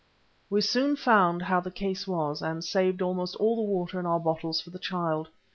We soon found how the case was, and saved almost all the water in our bottles for the child.